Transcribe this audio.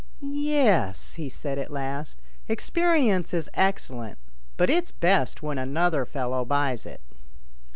" Yes," he said at last, " experience is excellent ; but it's best when another fellow buys it."